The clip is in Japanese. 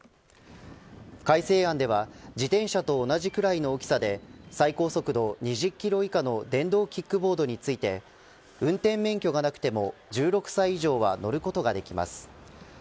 改正案では自転車と同じくらいの大きさで最高速度２０キロ以下の電動キックボードについて運転免許がなくても１６歳以上は乗ることができます。